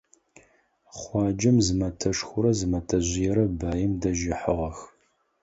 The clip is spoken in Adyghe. Хъуаджэм зы мэтэшхорэ зы мэтэжъыерэ баим дэжь ыхьыгъэх.